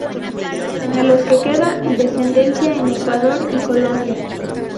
De los que queda descendencia en Ecuador y Colombia.